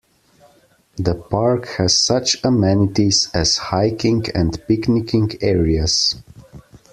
The park has such amenities as hiking and picnicking areas.